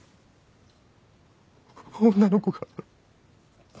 女の子が